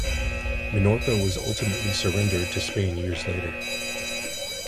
Minorca was ultimately surrendered to Spain years later.